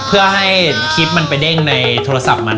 เพื่อให้คลิปมันไปเด้งในโทรศัพท์มัน